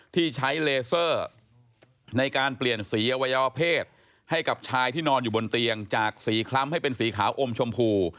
ที่ใช้เลเซอร์ในการเปลี่ยนสีอวัยวเพศให้กับชายที่นอนอยู่บนเตียงจากสีคล้ำให้เป็นสีขาวอมชมพู